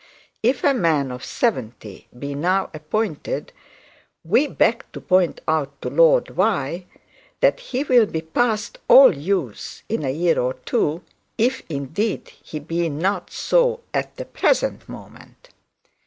If a man of seventy be now appointed, we beg to point out to Lord that he will be past all use in a year or two, if indeed he is not so at the present moment.